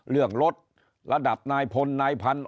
เรื่องรถระดับนายพลนายพันธุ